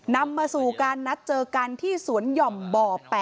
นำมาสู่การนัดเจอกันที่สวนหย่อมบ่อ๘